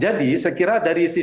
jadi salah satu opsi